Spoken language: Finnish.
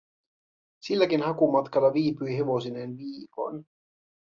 Silläkin hakumatkalla viipyi hevosineen viikon.